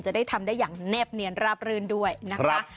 จะได้ทำได้อย่างแนบเนียนราบรื่นด้วยนะคะ